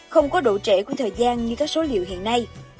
không có độ trễ của thời gian như các số liệu hiện nay